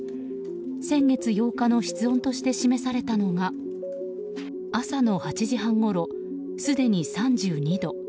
先月８日の室温として示されたのが朝の８時半ごろ、すでに３２度。